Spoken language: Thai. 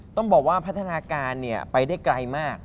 ต้องบอกว่าพัฒนาการไปได้ไกลมาก